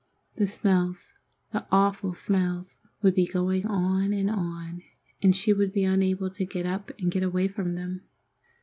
The smells, the awful smells, would be going on and on, and she would be unable to get up and get away from them.